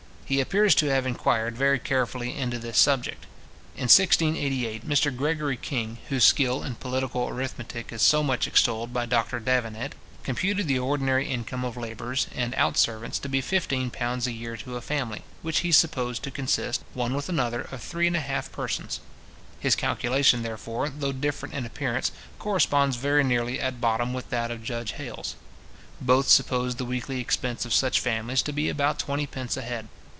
He appears to have enquired very carefully into this subject {See his scheme for the maintenance of the poor, in Burn's History of the Poor Laws.}. In 1688, Mr Gregory King, whose skill in political arithmetic is so much extolled by Dr Davenant, computed the ordinary income of labourers and out servants to be fifteen pounds a year to a family, which he supposed to consist, one with another, of three and a half persons. His calculation, therefore, though different in appearance, corresponds very nearly at bottom with that of Judge Hales. Both suppose the weekly expense of such families to be about twenty pence a head.